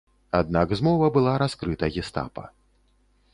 Аднак змова была раскрыта гестапа.